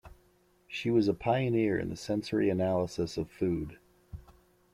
She was a pioneer in the sensory analysis of food.